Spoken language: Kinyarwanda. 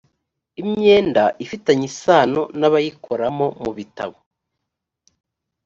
imyenda ifitanye isano n abayikoramo mu bitabo